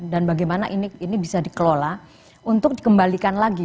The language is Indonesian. dan bagaimana ini bisa dikelola untuk dikembalikan lagi